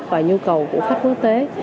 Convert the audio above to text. và nhu cầu của khách quốc tế